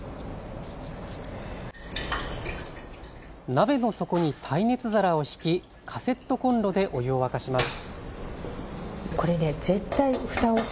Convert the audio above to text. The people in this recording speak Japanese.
鍋の底に耐熱皿を敷きカセットコンロでお湯を沸かします。